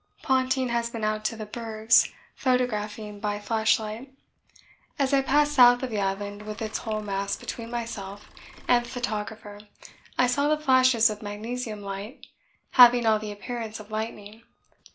Ponting has been out to the bergs photographing by flashlight. As I passed south of the Island with its whole mass between myself and the photographer I saw the flashes of magnesium light, having all the appearance of lightning.